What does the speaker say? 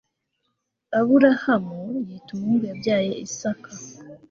aburahamu yita umuhungu yabyaye isaka